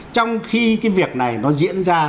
trong khi cái việc này nó diễn ra